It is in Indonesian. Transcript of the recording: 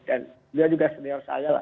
dan dia juga senior saya lah